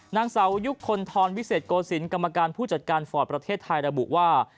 นางสาวยุคคลทรวิเศษโกศิลป์กรรมการผู้จัดการฟอร์ตประเทศไทยระบุว่า